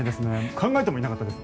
考えてもいなかったです。